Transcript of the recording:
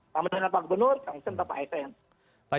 pak medana pak gubernur kang musen atau pak sn